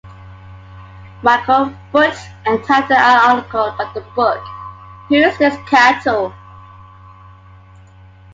Michael Foot entitled an article about the book: "Who is This Cato?".